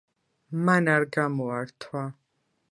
მან არ გამოართვა…